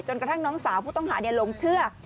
กระทั่งน้องสาวผู้ต้องหาหลงเชื่อ